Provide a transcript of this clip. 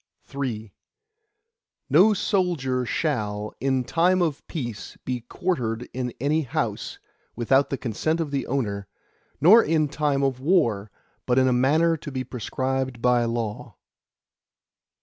III No soldier shall, in time of peace be quartered in any house, without the consent of the owner, nor in time of war, but in a manner to be prescribed by law.